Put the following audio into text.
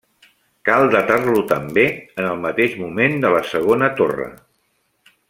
Cal datar-lo també en el mateix moment de la segona torre.